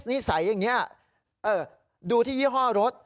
นิสัยอย่างนี้ดูที่ยี่ห้อรถ